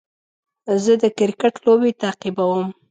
زه د کرکټ لوبې تعقیبوم.